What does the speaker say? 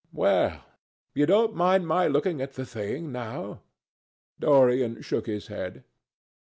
"Well, you don't mind my looking at the thing now?" Dorian shook his head.